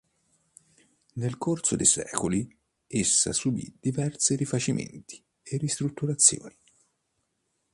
Nel corso dei secoli essa subì diverse rifacimenti e ristrutturazioni.